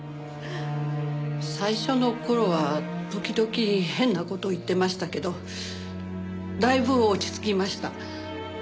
最初の頃は時々変な事を言ってましたけどだいぶ落ち着きました。